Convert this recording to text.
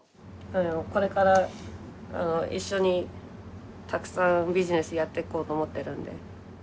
これから一緒にたくさんビジネスやっていこうと思ってるんで。